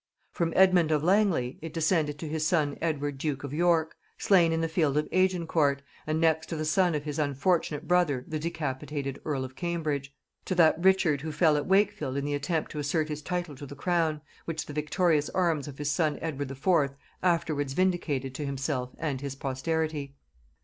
From Edmund of Langley it descended to his son Edward duke of York, slain in the field of Agincourt, and next to the son of his unfortunate brother the decapitated earl of Cambridge; to that Richard who fell at Wakefield in the attempt to assert his title to the crown, which the victorious arms of his son Edward IV. afterwards vindicated to himself and his posterity.